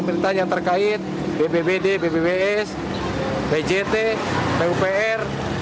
pemerintahan yang terkait bbbd bbbs bjt pupr